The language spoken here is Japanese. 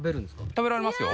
食べられますよ！